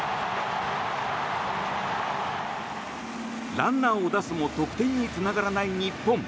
ランナーを出すも得点につながらない日本。